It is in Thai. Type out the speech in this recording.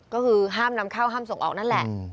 ก็คือห้ามนำเข้าห้ามส่งออกนั่นแหละ